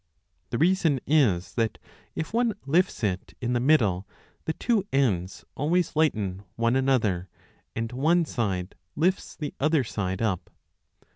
The reason is that, if one lifts it in the middle, the two ends always lighten one another, and one side lifts the other side up.